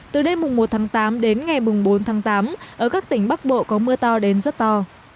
từ đêm một tháng tám đến ngày bốn tháng tám ở các tỉnh bắc bộ có mưa to đến rất to